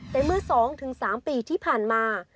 แต่เมื่อ๒๓ปีที่ผ่านมา